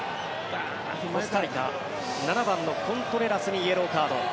コスタリカ７番のコントレラスにイエローカード。